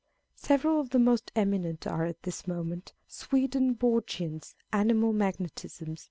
Several of the most eminent are at this moment Swedenborgians, animal magnetists, &c.